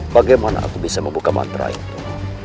bagaimana aku bisa membuka mantra itu